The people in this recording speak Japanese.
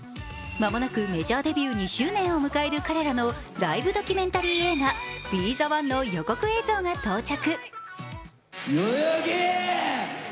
間もなくメジャーデビュー２周年を迎える彼らのライブドキュメンタリー映画、「ＢＥ：ｔｈｅＯＮＥ」の予告映像が到着。